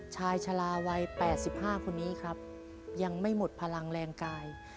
ชายชาลาวัยแปดสิบห้าคนนี้ครับยังไม่หมดพลังแรงกาย